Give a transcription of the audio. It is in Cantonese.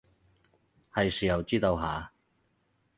喺時候知道下